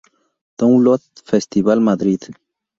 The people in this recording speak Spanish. Download Festival Madrid.